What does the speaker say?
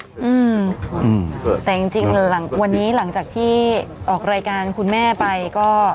อืมแต่จริงจริงหลังวันนี้หลังจากที่ออกรายการคุณแม่ไปก็